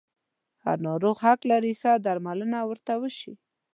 هر ناروغ حق لري چې ښه درملنه ورته وشي.